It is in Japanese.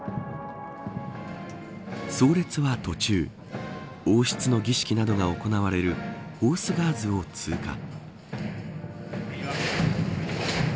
葬列は、途中王室の儀式などが行われるホース・ガーズを通過。